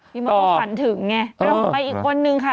ปิ๊มต้องฝันถึงไงไปอีกคนหนึ่งค่ะ